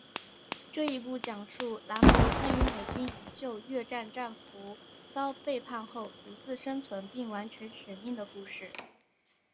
这一部讲述兰博参与美军营救越战战俘遭背叛后独自生存并完成使命的故事。